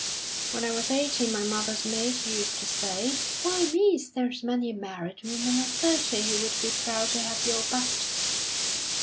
When I was eighteen my mother's maid used to say: 'Why, miss, there's many a married woman of thirty who would be proud to have your bust.'